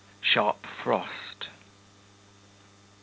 Sharp frost_.